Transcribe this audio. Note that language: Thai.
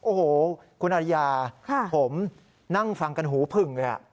โอ้โหคุณอริยาผมนั่งฟังกันหูพึ่งเลยค่ะนะฮะคุณอริยาค่ะ